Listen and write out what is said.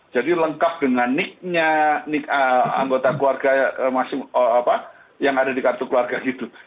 jadi lengkap dengan nick nya anggota keluarga yang ada di kartu keluarga gitu